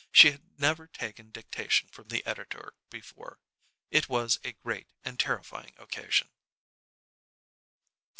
She had never taken dictation from the editor before. It was a great and terrifying occasion.